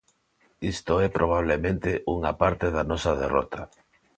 Isto é probablemente unha parte da nosa derrota.